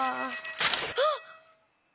あっ！